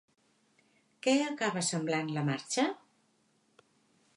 Què acaba semblant la marxa?